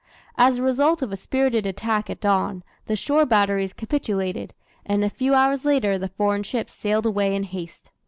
As a result of a spirited attack at dawn, the shore batteries capitulated, and a few hours later the foreign ships sailed away in haste.